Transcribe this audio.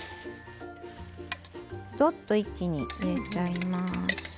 どっと一気に入れちゃいます。